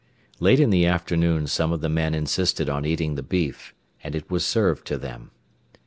Late in the afternoon some of the men insisted on eating the beef, and it was served to them.